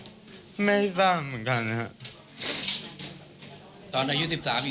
อยู่ต่างจังหวัดนะครับ